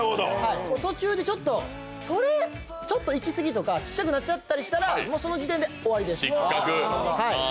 途中でちょっと、それ、いきすぎとかちっちゃくなっちゃったりしたらその時点で終わりです。